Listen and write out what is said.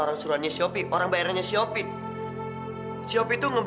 yang tadi lo peka